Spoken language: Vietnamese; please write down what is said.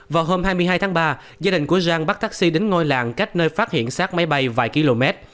vào hôm hai mươi hai tháng ba gia đình của giang bắt taxi đến ngôi làng cách nơi phát hiện sát máy bay vài km